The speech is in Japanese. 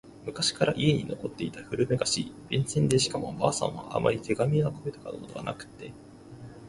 昔から家に残っていた古めかしい、便箋でしかも婆さんはあまり手紙を書いたことがなくって……